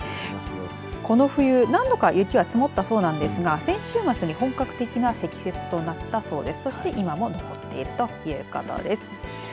この冬何度か雪が積もったそうなんですが先週末に本格的な積雪となったそうです。